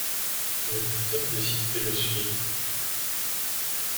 Le Docteur décide de le suivre.